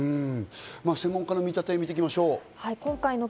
専門家の見立てを見ていきましょう。